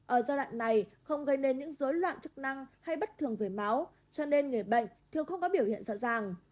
ở giai đoạn này không gây nên những dối loạn chức năng hay bất thường về máu cho nên người bệnh thường không có biểu hiện rõ ràng